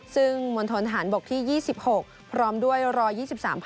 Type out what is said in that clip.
ซึ่งมณฑนฐานบกที่๒๖พร้อมด้วย๑๒๓๕